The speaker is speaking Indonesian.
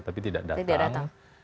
tapi tidak datang